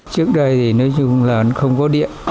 trước đây thì nói chung là không có điện